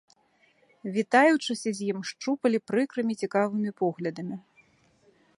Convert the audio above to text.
Вітаючыся з ім, шчупалі прыкрымі цікавымі поглядамі.